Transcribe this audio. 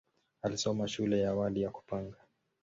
Alisoma shule ya awali ya Upanga.